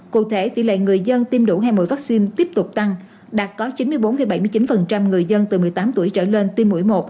cụ thể tỷ lệ người dân tiêm đủ hai mũi vaccine tiếp tục tăng đạt có chín mươi bốn bảy mươi chín người dân từ một mươi tám tuổi trở lên tiêm mũi một